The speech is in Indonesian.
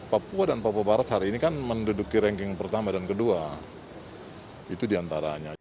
papua dan papua barat hari ini kan menduduki ranking pertama dan kedua itu diantaranya